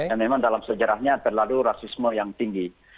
dan memang dalam sejarahnya terlalu rasisme yang tinggi